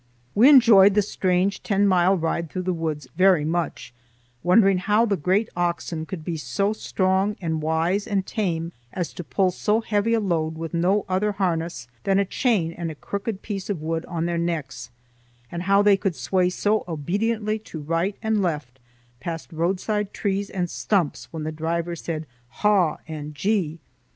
We enjoyed the strange ten mile ride through the woods very much, wondering how the great oxen could be so strong and wise and tame as to pull so heavy a load with no other harness than a chain and a crooked piece of wood on their necks, and how they could sway so obediently to right and left past roadside trees and stumps when the driver said haw and gee.